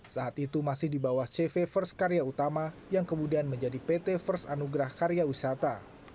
saat itu masih di bawah cv first karya utama yang kemudian menjadi pt first anugerah karya wisata